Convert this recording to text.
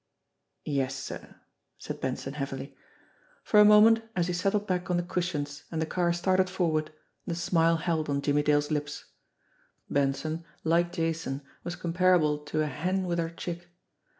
"Yes, sir," said Benson heavily. For a moment, as he settled back on the cushions and the 242 JIMMIE DALE AND THE PHANTOM CLUE car started forward, the smile held on Jimmie Dale's lips. Benson, like Jason, was comparable to a hen with her chick.